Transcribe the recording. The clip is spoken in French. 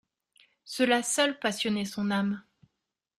Cela seul passionnait son âme.